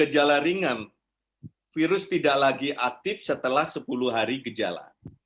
gejala ringan virus tidak lagi aktif setelah sepuluh hari gejala